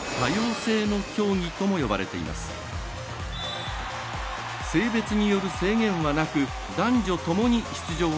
性別による制限はなく男女ともに出場が可能。